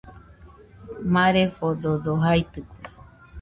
Marefododo jaitɨkue